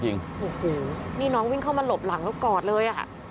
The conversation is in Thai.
โอ้โหนี่น้องวิ่งเข้ามาหลบหลังแล้วกอดเลยอ่ะ